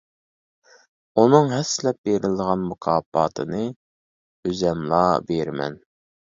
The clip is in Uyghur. ئۇنىڭ ھەسسىلەپ بېرىلىدىغان مۇكاپاتىنى ئۆزۈملا بېرىمەن.